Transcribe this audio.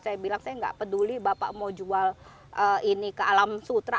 saya bilang saya nggak peduli bapak mau jual ini ke alam sutra